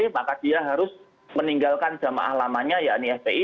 maka dia harus meninggalkan zamah ahlamanya yakni fpi